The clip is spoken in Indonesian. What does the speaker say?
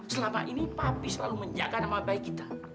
selama ini papi selalu menjaga nama baik kita